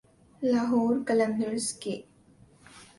لاہور قلندرز کے